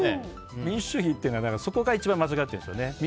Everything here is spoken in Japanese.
民主主義っていうのがそこが一番間違ってるんですよね。